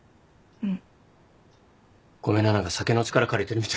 うん。